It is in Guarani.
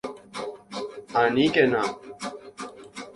¡Aníkena!